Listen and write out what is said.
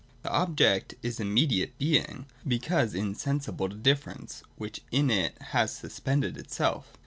] The Object is immediate being, because in sensible to difference, which in it has suspended itself.